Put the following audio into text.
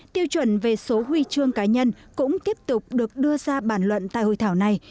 tiêu chuẩn về số huy chương cá nhân cũng tiếp tục được đưa ra bản luận tại hội thảo này